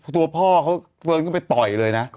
ตัวพ่อเขาคนนึงไปต่อยเลยนะ